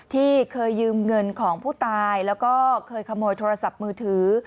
ที่เคยยืมเงินของผู้ตายแล้วก็เคยขโมยโทรศัพท์มือถือ